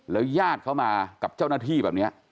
แล้วยาดเขามากับเจ้าหน้าที่แบบนี้